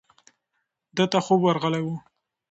ده ته خوب ورغلی و.